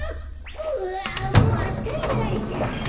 うわまたやられた。